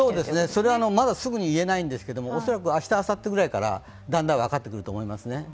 それはまだすぐに言えないんですけど、恐らく明日、あさってくらいからだんだん分かってくると思いますね。